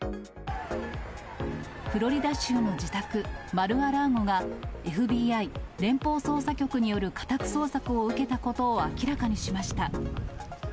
フロリダ州の自宅、マル・ア・ラーゴが、ＦＢＩ・連邦捜査局による家宅捜索を受けたことを明らかにしました。